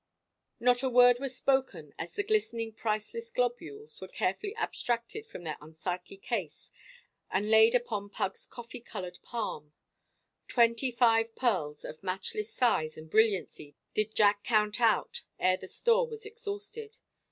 J. K. H. Not a word was spoken as the glistening, priceless globules were carefully abstracted from their unsightly case and laid upon Pug's coffee coloured palm. Twenty five pearls of matchless size and brilliancy did Jack count out ere the store was exhausted.